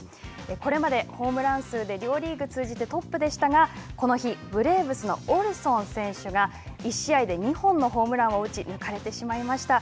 これまでホームラン数で両リーグ通じてトップでしたがこの日ブレーブスのオルソン選手が１試合で２本のホームランを打ち抜かれてしまいました。